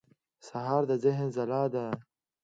سهار د ذهن ځلا ده.